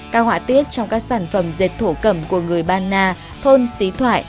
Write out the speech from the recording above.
các họa tiết trong các sản phẩm dệt thổ cầm của người ban na thôn xì thoại